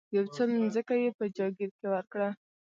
یو څه مځکه یې په جاګیر کې ورکړه.